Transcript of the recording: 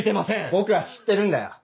僕は知ってるんだよ！